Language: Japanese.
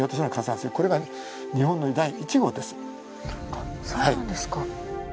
あっそうなんですか。